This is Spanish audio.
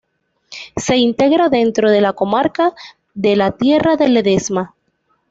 Se integra dentro de la comarca de la Tierra de Ledesma.